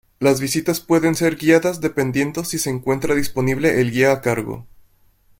Las visitas pueden ser guiadas dependiendo si se encuentra disponible el guía a cargo.